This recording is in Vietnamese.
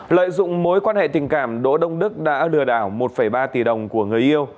lợi dụng mối quan hệ tình cảm đỗ đông đức đã lừa đảo một ba tỷ đồng của người yêu